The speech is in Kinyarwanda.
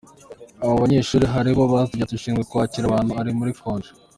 Abo banyeshuri hari aho bageraga bati “Ushinzwe kwakira abantu ari muri konji.